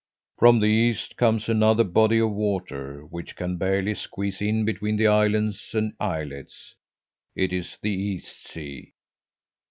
From the east comes another body of water, which can barely squeeze in between the islands and islets. It is the East Sea.